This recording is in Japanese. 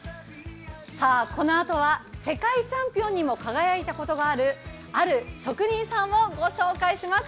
このあとは世界チャンピオンにも輝いたこともあるある職人さんを御紹介します。